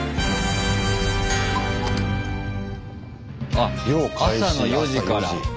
あっ朝の４時から。